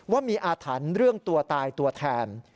ว่ามีอาถรรพ์เรื่องตัวตายตัวแทน